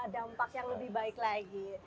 dampak yang lebih baik lagi